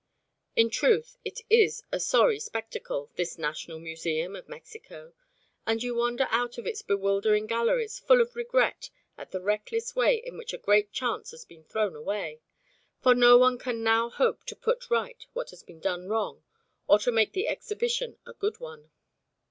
In truth, it is a sorry spectacle, this National Museum of Mexico, and you wander out of its bewildering galleries full of regret at the reckless way in which a great chance has been thrown away; for no one can now hope to put right what has been done wrong or to make the exhibition a good one.